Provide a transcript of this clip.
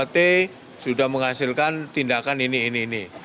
dua puluh dua t sudah menghasilkan tindakan ini ini ini